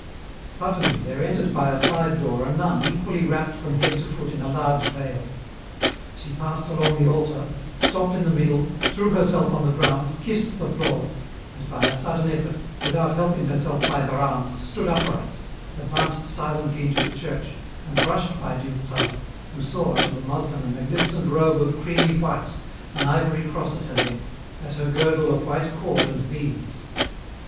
Suddenly there entered by a side door a nun equally wrapped from head to foot in a large veil. She passed along the altar, stopped in the middle, threw herself on the ground, kissed the floor, and by a sudden effort, without helping herself by her arms, stood upright, advanced silently into the church, and brushed by Durtal, who saw under the muslin a magnificent robe of creamy white, an ivory cross at her neck, at her girdle a white cord and beads.